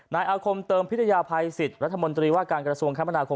นายอาคมเติมพิทยาภัยสิทธิ์รัฐมนตรีว่าการกระทรวงคมนาคม